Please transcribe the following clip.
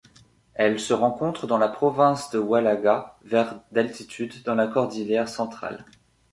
Elle se rencontre dans la province de Huallaga vers d'altitude dans la cordillère Centrale.